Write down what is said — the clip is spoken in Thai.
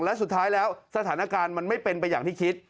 และสุดท้ายแล้วสถานการณ์มันไม่เป็นไปอย่างที่คิด